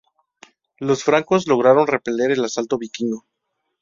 Los francos lograron repeler el asalto vikingo.